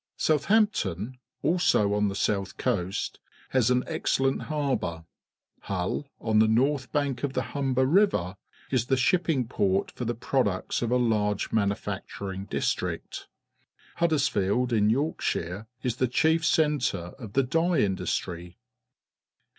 Southampton, also on the south coast, has an excellent har bour. Hull, on the north bank of the ofLondonandTowerBridge ^y,,,;,^^ jn^^r, is the shippin g port for the products of a large manufacturing district. Huddersfield, in York shire, is the chief centre of the dye industry.